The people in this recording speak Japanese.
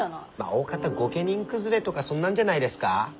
おおかた御家人崩れとかそんなんじゃないですか？